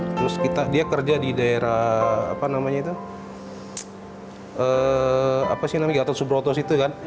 terus dia kerja di daerah apa namanya itu apa sih namanya gatot subroto situ kan